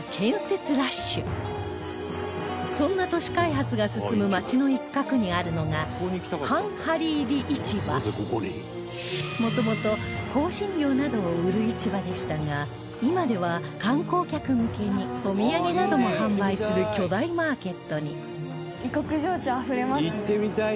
そんな都市開発が進む街の一角にあるのが元々香辛料などを売る市場でしたが今では観光客向けにお土産なども販売する巨大マーケットに